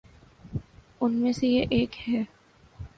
ان میں سے یہ ایک ہے۔